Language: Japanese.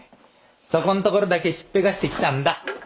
そこんところだけしっぺがしてきたんだ。